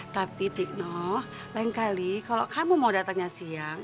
tapi tikno lain kali kalau kamu mau datangnya siang